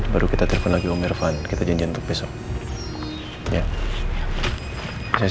mama tenang aja ya